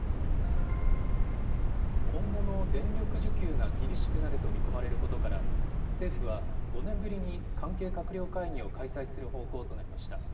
今後の電力需給が厳しくなると見込まれることから、政府は５年ぶりに関係閣僚会議を開催する方向となりました。